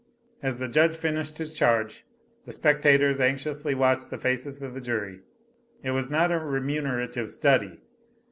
As the Judge finished his charge, the spectators anxiously watched the faces of the jury. It was not a remunerative study.